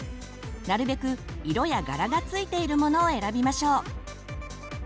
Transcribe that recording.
なるべく色や柄がついているモノを選びましょう。